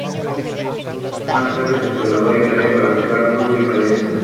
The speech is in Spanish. Estos comicios tuvieron un carácter histórico, no solo a nivel estatal sino nacional.